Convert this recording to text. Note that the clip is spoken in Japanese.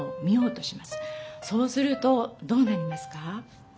そうするとどうなりますか？